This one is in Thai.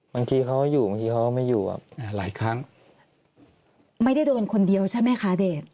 บางทีเขาอยู่บางทีเขาไม่อยู่แบบหลายครั้งไม่ได้โดนคนเดียวใช่ไหมคะเดช